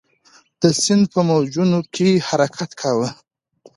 د سیند په موجونو کې حرکت کاوه.